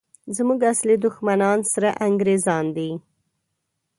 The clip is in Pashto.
زموږ اصلي دښمنان سره انګریزان دي!